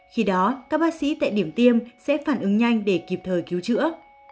khi đó các bác sĩ tại điểm tiêm sẽ phản ứng nhanh để kịp thời cứu chữa